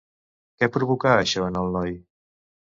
Què provocà això en el noi?